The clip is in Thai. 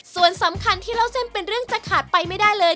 ส่วนสำคัญที่เล่าเส้นเป็นเรื่องจะขาดไปไม่ได้เลย